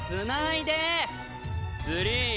スリー！